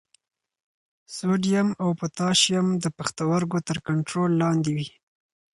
سوډیم او پوټاشیم د پښتورګو تر کنټرول لاندې وي.